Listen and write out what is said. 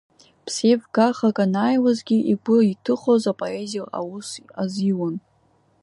Ԥсеивгахак анааиауазгьы игәы иҭыхоз апоезиа аус азиуан.